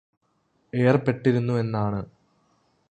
ഏർപ്പെട്ടിരുന്നുവെന്നാണ്